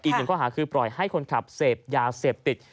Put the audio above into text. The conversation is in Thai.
อีกหนึ่งข้อหาคือปล่อยให้คนขับเสพยาเสพติด